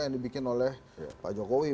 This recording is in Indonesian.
yang dibikin oleh pak jokowi